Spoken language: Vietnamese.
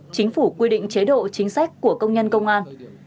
chính phủ quy định chế độ chính sách của công nhân công an